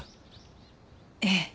ええ。